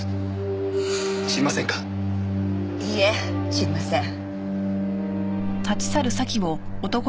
いいえ知りません。